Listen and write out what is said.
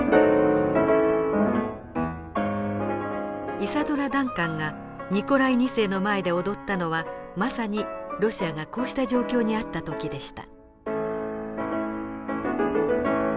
イサドラ・ダンカンがニコライ２世の前で踊ったのはまさにロシアがこうした状況にあった時でした。